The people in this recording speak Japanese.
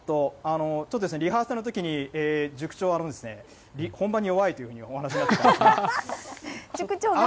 ちょっと、リハーサルのときに塾長は、本番に弱いというふう塾長、頑張って。